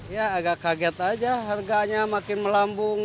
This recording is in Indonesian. ya agak kaget aja harganya makin melambung